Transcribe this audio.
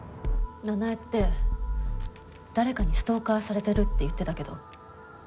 奈々江って誰かにストーカーされてるって言ってたけど逆よ。